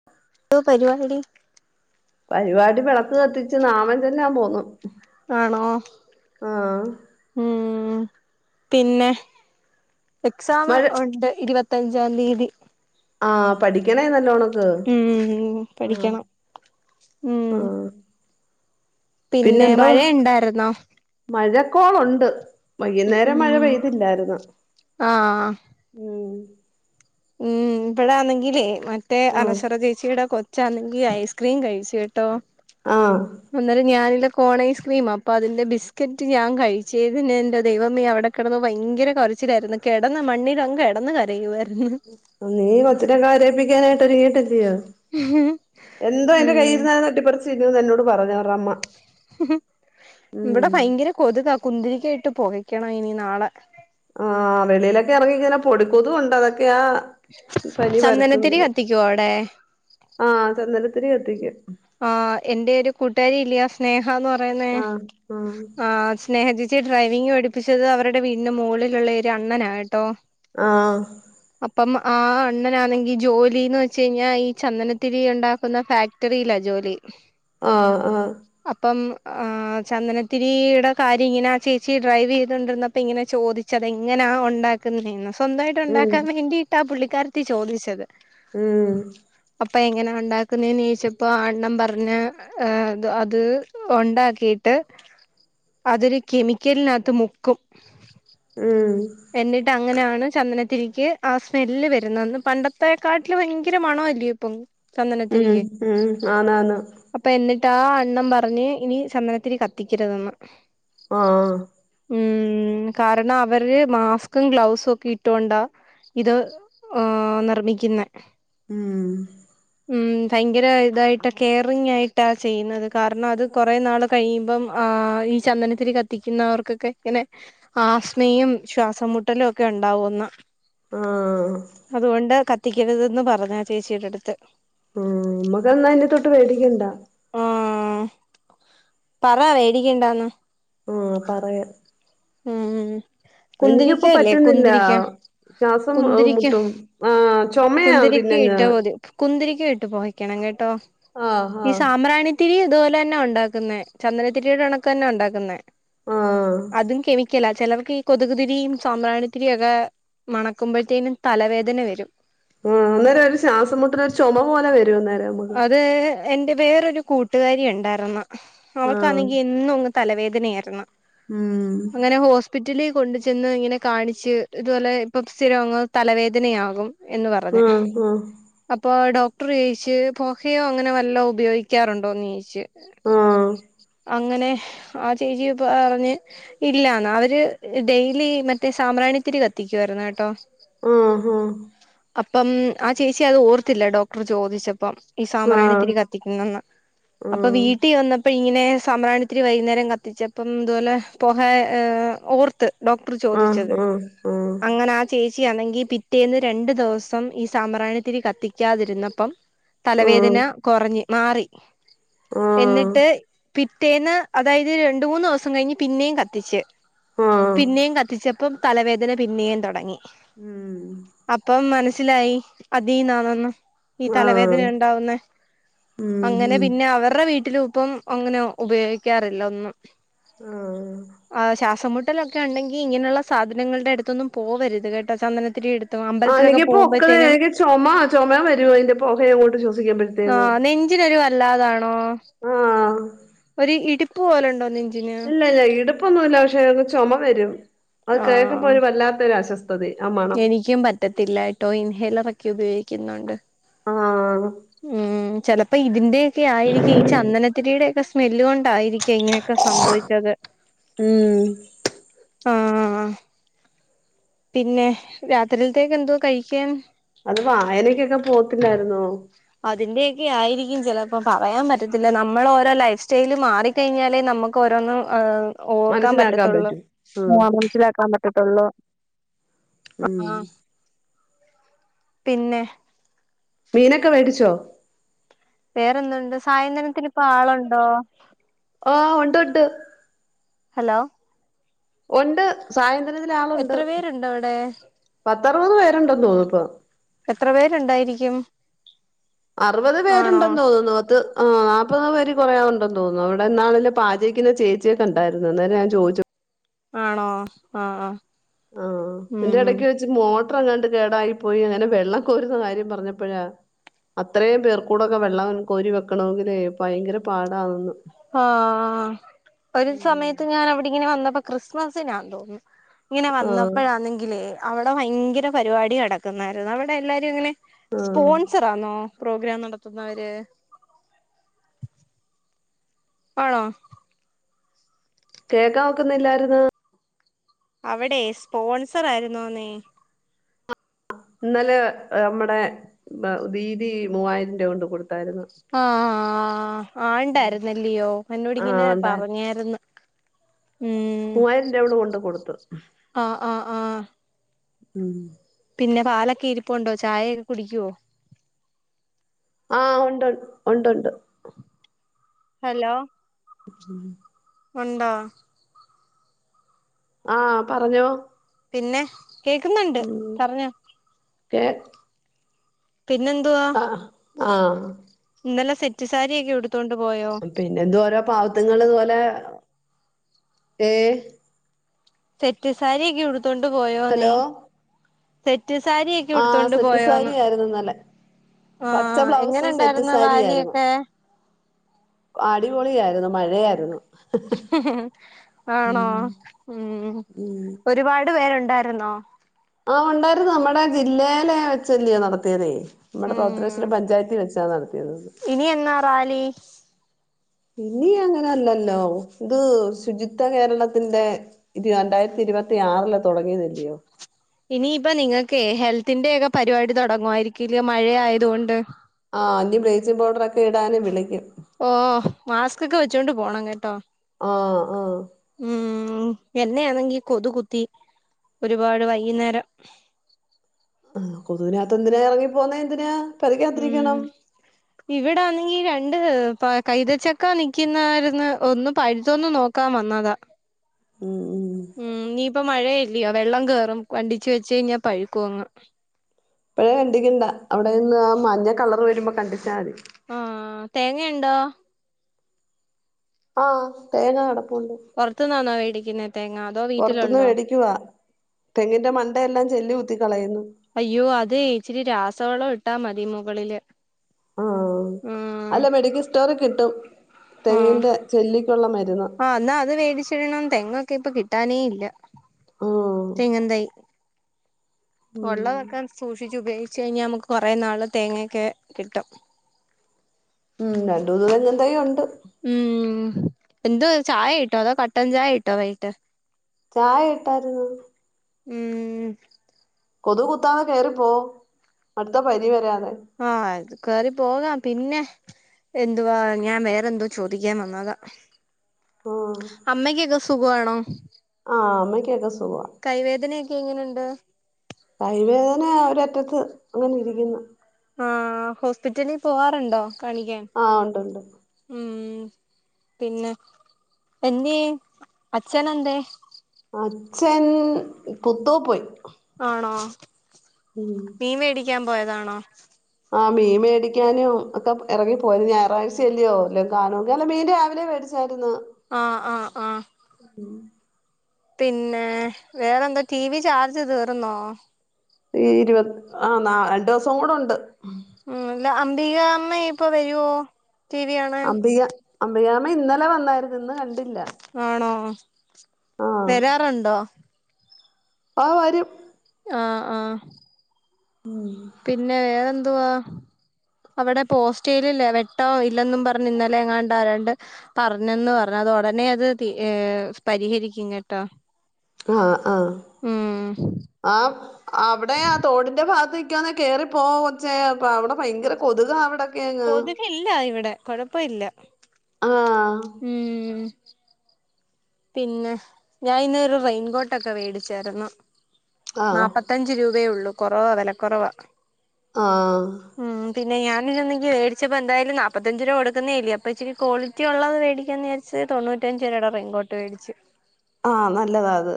[inaudible] ന്തോ പരിപാടി പരിപാടി വെളക്ക് കത്തിച്ച് നാമം ചൊല്ലാൻ പോവുന്നു. ആണോ? ഉം പിന്നെ? എക്സാം മഴ ഉണ്ട് ഇരുവെത്തഞ്ചാം തീയ്യെതി. ആഹ് പഠിക്കണെ നല്ലോണം. ഹ് ഉം ആഹ് പഠിക്കണം ഉം ആഹ് പിന്നെ മഴ ഇണ്ടായിര്ന്നോ? മഴക്കോള് ഉണ്ട്. വൈകുന്നേരം മഴ പെയ്തില്ലായിരുന്നു. ആഹ് ആഹ് ഉം ഉം ഇപ്പയാന്നെങ്കിലെ മ മറ്റെ ആഹ് അനശ്വര ചേച്ചിയുടെ കൊച്ചാന്നെങ്കി ഐസ്ക്രീം കഴിച്ച് കേട്ടോ. ആഹ് അന്നേരം ഞാൻ അതിന്റെ കോൺ ഐസ്ക്രീമാ. അപ്പ അതിന്റെ ബിസ്ക്കെറ്റ് ഞാൻ കഴിച്ചെ ഇതിന് എന്റെ ദൈവമേ അവ്ടെ കെടന്ന് ഭയങ്കര കൊരച്ചിലായിരുന്നു. കെടന്ന് മണ്ണിൽ അങ്ങ് കെടന്ന് കരയുവായിരുന്നു. നീ കൊച്ചിനെ കരയിപ്പിക്കാനായിട്ട് ഒരിങ്ങീട്ട് അല്ലിയോ? ഹു ഉം എന്തോ എന്റെ കയ്യിന്ന്‌ അത് തട്ടിപ്പറിച്ച് തിന്നുന്ന് എന്നോട് പറഞ്ഞു അവർടെ അമ്മ. ഇബെടെ ഭയങ്കര കൊത്കാ. കുന്തിരിക്കം ഇട്ട് പൊകയ്ക്കെണം ഇനി നാളെ ആഹ് വെളിയിലൊക്കെ എറങ്ങി ഇങ്ങനെ പൊടികൊതു ഉണ്ട് അതൊക്കെയാ പനി ചന്ദനത്തിരി പരത്തുന്നത് കത്തിക്കോ അയുടെ? ആഹ് ചന്ദനത്തിരി കത്തിക്കും. ആഹ് എന്റെ ഒരു കൂട്ടുകാരി ഇല്ലെ ആ സ്നേഹ എന്ന് പറയ്ന്നേ ആഹ് ആഹ് ആഹ് സ്നേഹ ചേച്ചിയെ ഡ്രൈവിംഗ് പഠിപ്പിച്ചെത് അവരുടെ വീട്ടിന് മോളിലുള്ള ഒരു അണ്ണനാ കേട്ടോ ആഹ്. അപ്പം ആ അണ്ണനാന്നെങ്കി ജോലിന്ന് വെച്ച് കഴിഞ്ഞാ ഈ ചന്ദനത്തിരി ഉണ്ടാക്കുന്ന ഫാക്ടറിയിലാ ജോ ജോലി. ആഹ് ആഹ് അപ്പം ആ ചന്ദനത്തിരിയിടെ കാര്യം ഇങ്ങനെ ആ ചേച്ചി ഡ്രൈവ് ചെയതോണ്ടിര്ന്നപ്പം ഇങ്ങനെ ചോദി ച്ചത് അത് എങ്ങനാ ഒണ്ടാക്കുന്നെന്ന്. സ്വന്തായിട്ട് ഉം ഒണ്ടാക്കാൻ വേണ്ടിട്ടാ പുള്ളിക്കാരെത്തി ചോദിച്ചെത്. ഉം അപ്പം എങ്ങനാ ഒണ്ടാക്കുന്നെന്ന് ചോയിച്ചെ പ്പം അണ്ണൻ പർൺ ഏഹ് അത് ഒണ്ടാക്കിട്ട് അത് ഒരു കെമിക്കെൽൻ അയത്ത് മുക്കും. ഉം എന്നിട്ട് അങ്ങനെയാണ് ചന്ദനത്തിരിക്ക് ആ സ്മെല്ല് വെര്ന്നെന്ന്. പണ്ടത്തെക്കാ ട്ടിലും ഭയങ്കര മണം വല്ലെ ഇപ്പം. ഉം ഉം ആന്ന് ആന്ന്. അപ്പം എന്നിട്ട് ആ അണ്ണം പറഞ്ഞ് ഇനി ചന്ദനത്തിരി കത്തിക്കെര്തെന്ന്. ആഹ് ആഹ് ഉം കാരണം അവര് മാസ്ക്കും ഗ്ലൗസും ഒക്കെ ഇട്ടോണ്ടാ ഇത് എഹ് നിർമ്മിക്കിന്നെ. ഉം ഉം ഭയങ്കര ഇതായിട്ട് കെയറിങ് ആയിട്ടാ ചെയ്യ്ന്നെത് കാരണം അത് കുറെ നാൾ കഴിയിമ്പം എഹ് ഈ ചന്ദനത്തിരി കത്തിക്കുന്നവെർക്കൊക്കെ ഇങ്ങനെ ആസ് മയും ശ്വാസം മുട്ടെലും ഒക്കെ ഇണ്ടാവുംന്ന്. ആഹ്. അതുകൊണ്ട് കത്തിക്കെരുതെന്ന് പറഞ്ഞ് ആ ചേച്ചി എന്റെ അട്ത്ത്. ആ നമ്മെക്ക് എന്നാ ഇനി തൊട്ട് വേടിക്കെണ്ടാ. ആഹ് പറ വേടിക്കെണ്ടാന്ന്. ആഹ് പറയാം. ഉം കുന്തിരിക്ക എനിക്കിപ്പോ ഇല്ലേ പറ്റുന്നില്ല. കുന്തിരിക്ക ശ്വാസം കുന്തിരിക്ക മുട്ടും ആ ചുമയാ പിന്നെങ് കുന്തിരിക്കം ഇട്ട് പുകക്കണം കേട്ടോ ആഹ് ഈ ആഹ് സാമ്പ്രാണി ത്തിരി ഇതുപോലെ തന്നെ ഉണ്ടാക്കുന്നേ ചന്ദനത്തിരിയുടെ കണക്ക് തന്നെയാ ഉണ്ടാക്കുന്നേ ആഹ് അതും കെമിക്കല ചിലർക്ക് ഈ കൊതുക് തിരിയും സമ്പ്രാണിതിരിയും ഒക്കെ മണക്കുമ്പോഴ് തേനും തലവേധന വരും ആ അന്നേരം ഒരു ശ്വാസം മുട്ടൽ ഒരു ചുമ പോലെ വരും അന്നേരം നമുക്ക് അത് എന്റെ വേറൊരു കൂട്ടുകാരി ഉണ്ടായിരുന്നു ആഹ് അവൾക്കാന്നെങ്കി എന്നും തലവേധനയായിരുന്ന് ഉം ഉം അങ്ങനെ ഹോസ്പിറ്റലിൽ കൊണ്ട് ചെന്ന് ഇങ്ങനെ കാണിച്ച് ഇതുപോലെ ഇപ്പം സ്ഥിരംഅങ്ങ് തലവേധനയാകും എന്ന് പറഞ്ഞ് ആഹ് അപ്പൊ ഡോക്ടർ ചോയിച്ച് പൊഘയോ അങ്ങനെ വല്ലോം ഉപയോഗിക്കാറുണ്ടോന്ന് ചോയ്ച്ചു ആഹ് അങ്ങനെ ആ ചേച്ചി ഇപ്പൊ അറിഞ്ഞ് ഇല്ലാന്ന് അവര് ഡെയ്ലി മറ്റേ സമ്പ്രാണിതിരി കത്തിക്കുവായിരുന്നു കെട്ടോ ഉം ഹും അപ്പം ആ ചേച്ചി അത് ഓർത്തില്ല ഡോക്ടർ ചോദിച്ചപ്പം ഈ ആഹ് സാമ്പ്രാണി തിരി ആഹ് കത്തിക്കുന്നെന്ന് ആഹ് അപ്പൊ വീട്ടിവന്ന് അപ്പ ഇങ്ങനെ സമ്പ്രാണിതിരി വൈകുന്നേരം കത്തിച്ചപ്പം ഇതുപോലെ പുഹേ ഓർത്ത് ഡോക് ക്ടർ ചോദിച്ചത് ആഹ് ആഹ് ആഹ് ആഹ് അങ്ങന ആ ചേച്ചിയാന്നെങ്കി പിറ്റേന്ന് രണ്ട് ദിവസം ഈ സമ്പ്രാണിതിരി കത്തിക്കാതിരുന്നപ്പം ആഹ് തലവേധന കുറഞ്ഞ് മാറി ആഹ് എന്നിട്ട് പിറ്റേന്ന് അതായത് രണ്ട് മൂന്ന് ദിവസം കഴിഞ്ഞ് പിന്നെയും കത്തിച്ച് ആഹ് പിന്നെയും കത്തിച്ചപ്പോ പ്പം തലവേധന പിന്നെയും തുടങ്ങി ഉം അപ്പം മനസ്സിലായി അതീന്നാന്നെന്ന് ഈ തലവേ ആഹ് ധന ഉണ്ടാവുന്നേ ഉം അങ്ങനെ ഉം പിന്നെ അവർടെ വീട്ടിലുപ്പം അങ്ങനെ ഉപയോഗിക്കാറില്ല ഒന്നും ആഹ് ആ ശ്വാസമുട്ടലൊക്കെ ഉണ്ടാകില് ഇങ്ങനെയുള്ള സാധനങ്ങളുടെ അടുത്തൊന്നും പോവരുത് കേട്ടോ ചന്ദനത്തിരിയുടെ അടുത്ത് തൊഴാ ആഹ് അമ്പലത്തിലൊക്കെ എനിക്കിപ്പോ ഒക്കത് പോകുമ്പോഴത്തേനും എനിക്ക് ചുമ ചുമാ വരുവതിൻ്റെ പുകയങ്ങോട്ട് ശോഷിക്കുമ്പോഴേക്കും ആ നെഞ്ചിനൊരു വല്ലാതാണോ ആഹ് ഒരു ഇടിപ്പ് പോലുണ്ടോ നെഞ്ചി ഇല്ല ഇല്ല ഇടുപ്പൊന്നുല്ല പക്ഷെ ചുമ വരും അത് കേൾക്കുമ്പോ ആഹ് ഒരു വല്ലാത്തൊരു അസ്വസ്ഥ ത്തതയ് ആ മ എനിക്കും പറ്റത്തില്ലാട്ടോ ഇൻഹേലർ ഒക്കെ ഉപയോഗിക്കുന്നുണ്ട് ആഹ് ഉം ചിലപ്പോ ഇതിൻ്റെയൊക്കെ ആയിരിക്കും ഈ ചന്ദനത്തിരിയുടേക്കെ സ്‌മെൽ കൊണ്ടായിരിക്കും ക്കെ ഇങ്ങനെക്കെ സംഭവിച്ചത് ഉം ആ പിന്നെ രാത്രിത്തിലേക്ക് എന്തോ കഴിക്കാൻ അത് വായനക്കൊക്കെ പോകത്തില്ലാരുന്നോ അതിന്റെയൊക്കെ ആയിരിക്കും ചിലപ്പോ പറയാൻ പറ്റത്തില്ല നമ്മള് ഓരോ ലൈഫ് സ്റ്റൈല് മാറി ക്കഴിഞ്ഞാലേ നമുക്ക് ഓരോന്ന് ഹ് ഓർക്കാൻ മനസ്സിലാക്കാൻ പറ്റത്തൊള്ളൂ പറ്റും ആഹ് മനസ്സിലാക്കാൻ പറ്റത്തൊള്ളൂ ഉം ആ പിന്നെ മീനൊക്കെ വേടിച്ചോ വേറെന്തുണ്ട് സായന്ധനത്തിന് ഇപ്പോ ആളുണ്ടോ ഓ ഉണ്ട് ഉണ്ട് ഹലോ ഉണ്ട് സായന്തനത്തില് ആള് ഉണ്ട് എത്ര പേരുണ്ട് അവിടെ പത്ത് അറുപത് പേരുണ്ട്ന്ന് തോന്നുന്നു ഇപ്പോ എത്ര പേരുണ്ടായിരിക്കും അറുപത് ആണോ പേരുണ്ടെന്ന് തോന്നുന്നു അത് ആഹ് അപ്പോ അവര് കുറേ ഉണ്ടെന്ന് തോന്നുന്നു അവിടെ ഇന്നാളിലേ പാചയ്ക്കുന്ന ചേച്ചിയെ കണ്ടായിരുന്നു അന്നേരം ഞാൻ ചോദിച്ചു ആണോ ആഹ് ആഹ് എന്നിട്ട് എടക്ക് വെച്ച് മോ ട്ടറങ്ങട്ട് കേടായി പോയി അങ്ങനെ വെള്ളം കോരുന്ന കാര്യം പറഞ്ഞപ്പഴാ അത്രയും പേർക്കൂടൊക്കെ വെള്ളം കോരി വെക്കണോങ്കിലേ ഭയങ്കര പാടാണെന്ന് ആഹ് ഒരു ഉം സമയത്ത് ഞാൻ അവിടിങ്ങനെ വന്നപ്പോ ക്രിസ്മസിനാന്ന് തോന്നുന്നു ഇങ്ങനെ ആ വന്നപ്പഴാന്നെങ്കിലേ അവിടെ ഭയങ്കര പരിപാടി നടക്കുന്നായിരുന്നു അവിടെ എല്ലാരും അങ്ങനെ ആ സ്പോൺസറാന്നോ പ്രോഗ്രാം നടത്തുന്നവര് ആണോ കേക്കാൻ ഒക്കുന്നില്ലായിരുന്ന് അവിടെ സ്പോൺസറ് ആയിരുന്നോന്നേ ഇന്നലെ നമ്മടെ ദീതി മൂവായിരം രൂപ കൊണ്ട് കൊടുത്തായിരുന്നു ആ ആ ആണ്ടായ്ര്ന്നല്യ യോ, ആ എന്നോടിങ്ങിനെ ഉണ്ടായിരുന്നു പറഞ്ഞാര്ന്ന്. മ്. മൂവായിരം രൂപ അവള് കൊണ്ടെ കൊടുത്തു ആഹ് ആഹ് ആഹ് ഉം പിന്നെ പാലൊക്കെ ഇരിപ്പുണ്ടോ ചായയൊക്കെ കുടിക്കുവോ ആഹ് ഉണ്ട് ഉണ്ടുണ്ട്. ഹലോ. [inaudible] ഉണ്ടോ? ആ പറഞ്ഞോ. പിന്നെ? കേക്ക് ന്ന്ണ്ട് പർഞ്ഞോ. കേക് പിന്നെന്തുവാ? അ ആ ആഹ് ഇന്നലെ സെറ്റ് സാരിയൊക്കെ ഉട്ത്തോണ്ട് പോയോ? പിന്നെന്തുവാ ഓരോ പാവത്ത്ങ്ങള് ത് ഓലെ ഏഹ് സെറ്റ്സാരിയൊക്കെ ഉട്ത്തോണ്ട് പോയോ നീ. സെറ്റ് സാരിയൊക്കെ ആ ഉടുത്തോണ്ട് പോയോന്ന് സെറ്റ്സാരിയാര്ന്ന് ന്നലെ. പച്ച ആഹ് എങ്ങനെ ബ്ലൗസു സെറ്റ് ഉണ്ടായിരുന്നു സാരിയാര്ന്ന്. റാലിയൊക്കെ അടിപൊളിയാര്ന്നു മഴയാര്ന്ന്. ആണോ ഉം ഉം ഒരുപാട് പേരുണ്ടാര്ന്നൊ? ആ ഉണ്ടാര്ന്നു നമ്മടെ ജില്ലേലെ വെച്ചല്ലയൊ നടത്ത്യേതെ, നമ്മടെ ഉം പൗത്രേസരം പഞ്ചായത്തി വെച്. ച്ചാ നടത്ത്യേത്. ഇനി എന്നാ റാലി? ഇനി അങ്ങനെയല്ലല്ലൊ ഇത് ശുചിത്വ കേരളത്തിന്റെ ഇത് രണ്ടായിര്ത്തിരുപത്തി ആറില് തൊടങ്ങീതല്യ യോ? ഇനിയിപ്പ നിങ്ങക്കെ ഹെൽത്തിന്റെയൊക്കെ പരിപാടി തൊട്ങ്ങുവായിര്ക്കുല്ലെ മഴ ആയതുകൊണ്ട്. ആ ഇനി ബ്ലീച്ചിങ് പൗഡറൊക്കെ ഇടാന് വിളിക്കും. ഓ മാസ്കൊക്കെ വെച്ചോണ്ട് പോണം കെട്ടോ. ആഹ് ആഹ് മ്. എന്നേയാന്നെങ്കി കൊതു കുത്തി. ഒരുപാട് വൈകിന്നേരം. ആഹ്. കൊതുവിനാത്ത്ന്നെന്തിനാ എർങ്ങിപ്പൊന്നേന്തിനാ? ഉം ഇവിടാന്നെങ്ങി രണ്ട് പ കൈതച്ചക്ക നിക്ക്യുന്നാര്ന്ന് ഒന്ന് പഴുത്തൊന്നു നോക്കാൻ വന്നതാ. ഉം ഉം ഉം മ്. നിയിപ്പം മഴയല്ല്യൊ വെള്ളം കേറും. വണ്ടിച്ച് വെച്ചെയ്ഞ്ഞാ പഴുക്കു അങ്ങ്. ഇപ്പഴേ കണ്ടിക്കണ്ട അവിടെ നിന്ന് മഞ്ഞ കളറ് വരുമ്പൊ കണ്ടിച്ചാ തി. ആഹ് തേങ്ങ ഉണ്ടോ ആഹ് തേങ്ങ കെടപ്പുണ്ട് പൊറത്തൂനാന്നോ മേടിക്കുന്ന തേങ്ങാ പൊറത്തുന്ന് മേടിക്കുവാ തെങ്ങിന്റെ മണ്ട എല്ലാം ചെല്ലികുത്തി കളയുന്നു അയ്യോ അതേ ഇച്ചിരി രാസവളം ഇട്ടാ മതി മുകളില് ആഹ് ഉം അല്ല മെഡിക്കൽ സ്റ്റോറിൽകിട്ടും ആഹ് തെങ്ങിന്റെ ചെല്ലിക്കൊള്ള മരുന്ന് ആഹ് എന്ന അത് വേടിച്ചിടണം തെങ്ങൊക്കെ ഇപ്പൊ കിട്ടാനേ ഇല്ല ആഹ് തെങ്ങുംതൈ ഉം ഒള്ള തൊക്കെ സൂക്ഷിച്ചു ഉപയോഗിച്ച് കഴിഞ്ഞ നമുക്ക് കൊറേ നാള് തേങ്ങെക്കെ കിട്ടും ഉം രണ്ടൂന്ന് തെങ്ങും തൈയൊണ്ട് ഉം എന്തുവ ചായയിട്ടോ അതോ കട്ടൻചായിട്ടൊ വൈട്ട് ചായ ഇട്ടായിരുന്നു ഉം കൊതുകുത്താതെ കേറിപ്പോ അടുത്ത പനി വരാതെ ആഹ് ത് കേറി പോകാം പിന്നെ എന്തുവാ ഞാൻ വേറെന്തോ ചോദിക്കാൻ വന്നതാ ആഹ് അമ്മയ്ക്കൊക്കെ സുഖവാണോ ആഹ് അമ്മയ്ക്കെക്കെ സുഖവ കൈവേദനേക്കെ എങ്ങനുണ്ട് കൈവേദന ഒരറ്റത്ത് അങ്ങനെ ഇരിക്കുന്ന് ആഹ് ഹോസ്പിറ്റലി പോവാറുണ്ടോ കാണിക്കാൻ ആഹ് ഒണ്ടൊണ്ട് ഉം പിന്നെ എന്ത്യേ അച്ഛനെന്തേ അച്ഛൻ പുത്തു പോയി ആണോ ഉം മീമ്മേടിക്കാൻ പോയതാണോ ആഹ് മീൻ മേടിക്കാനും ഒക്കെ എറങ്ങിപ്പോയു ഞായറാഴ്ച അല്ല്യോ വല്ലോകാണൂങ്കി അല്ല മീൻ രാവിലെ മേടി ച്ചാര്ന്ന് ആഹ് ആഹ് ആഹ് ഉം പിന്നെ വേറെന്തോ ടി വി ചാർജ് തീർന്നോ ഈ ഇരുവത് ആഹ് നാള് രണ്ടൂസം കൂടോണ്ട് ഉം അല്ല അംബികാമ്മ ഇപ്പൊ വരുവോ ടി വി കാണാൻ അംബിക അംബികാമ ഇന്നലെ വന്നാരുന്നു ഇന്ന് കണ്ടില്ല ആണോ ആഹ് വെരാറൊണ്ടോ ആഹ് വരും ആഹ് ആഹ് ഉം പിന്നെ വേറെന്തുവാ അവടെ പോസ്റ്റേലില്ല് വെട്ടോ ഇല്ലെന്നും പറഞ്ഞ് ഇന്നലെങ്ങാണ്ട് ആരാണ്ട് പറഞ്ഞെന്ന് പറഞ്ഞ് അത് ഒടനെ അത് ഏഹ് പരിഹരിക്കും കെട്ടോ ആഹ് ആഹ് ആം അവിടെ ആ തോടിന്റെ ഭാഗത്തിക്കാന്നെ കേറിപ്പോകൊച്ചേ അപ്പ അവടെ ഭയങ്കര കൊതുകാ അവടെ കൊതുകില്ല ഇവിടെ കൊഴപ്പവില്ല ആഹ് ഉം പിന്നെ ഞാൻ ഇന്നൊരു റെയിൻകോട്ടൊക്കെ വേടിച്ചാരുന്നു ആഹ് നാപ്പത്തഞ്ച് രൂപയെ ഒള്ളൂ കൊറവാ വെലക്കൊറവാ ആഹ് ഉം പിന്നെഞാാനെി മേിച്ചപ്പോ എന്തായാല നാല്പ്പത്തഞ്ച് രൂപ കൊടുക്കുന്നേല്ലേ അപ്പപ്പോ ഇച്ചിരി കോളി കുറ്റ ഉള്ളത് മേടിക്കന്ന് വിചാരിത് തൊണ്ണൂറ്റഞ്ചരട ഇങ്ങോട്ട് മേടിച്ചു ആഹ് നല്ലതാത്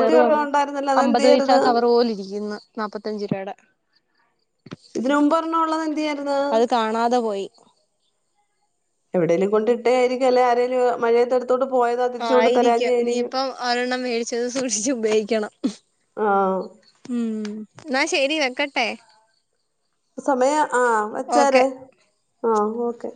വെറു അമ്പത് വഴച്ചാ കവർ പോലെ ഇരിക്കുന്നു നാപ്പത്തഞ്ച രൂപയുടെ ഇതിന മുമ്പ്ഞ്ഞ ഉുള്ളത് എന്തേ അത് കാണാതെ പോയി എവിടെങ്കിലും കൊണ്ട ഇട്ടായിരിക്കുംല്ല ആരേലും മഴയെടുത്ത് ട്ട പോയത ആ ആയിരിക്ക ഇനീയിപ്പം ഒരെണ്ണം മേടിച്ചത് സൂക്ഷിച്ചു ഉപയോഗിക്കണം ആഹ ഉം എന്നാ ശരി വെക്കട്ടെ സമയ ആഹ വച്ചാര ഓക്കെ ആഹ ഓക്കെ